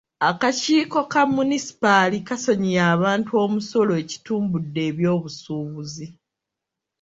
Akakiiko ka munisipaali kasonyiye abantu omusolo ekitumbude ebyobusuubuzi.